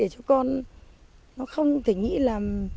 chỉ mong trời sáng nhanh để làm